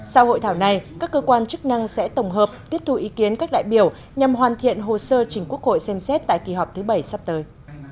sau hội thảo này các cơ quan chức năng sẽ tổng hợp tiếp thu ý kiến các đại biểu nhằm hoàn thiện hồ sơ chính quốc hội xem xét tại kỳ họp thứ bảy sắp tới